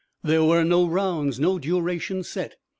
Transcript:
There were no rounds, no duration set.